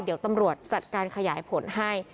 เดี๋ยวตำรวจจัดการขยายผลให้